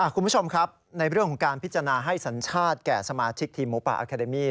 คุณผู้ชมครับในเรื่องของการพิจารณาให้สัญชาติแก่สมาชิกทีมหมูป่าอาคาเดมี่